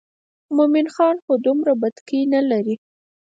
مومن خان خو دومره بتکۍ نه لري.